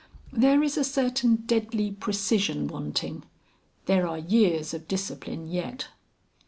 There is a certain deadly precision wanting. There are years of discipline yet."